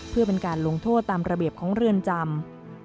เพื่อเป็นการลงโทษตามระเบียบของเรือนจำ